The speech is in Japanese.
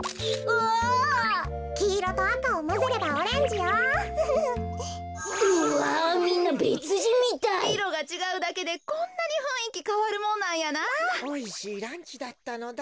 おいしいランチだったのだ。